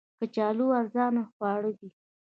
کچالو ارزانه خواړه دي